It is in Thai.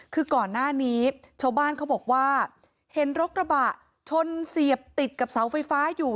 คือก่อนหน้านี้ชาวบ้านเขาบอกว่าเห็นรถกระบะชนเสียบติดกับเสาไฟฟ้าอยู่